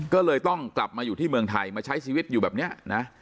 ก็เลยต้องกลับมาอยู่ที่เมืองไทยมาใช้ชีวิตอยู่แบบนี้นะ